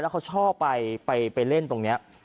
เขาชอบไปเล่นตรงนี้